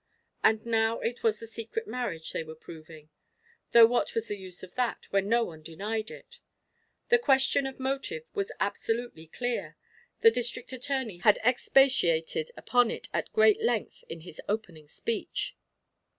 And now it was the secret marriage they were proving though what was the use of that, when no one denied it? The question of motive was absolutely clear; the District Attorney had expatiated upon it at great length in his opening speech.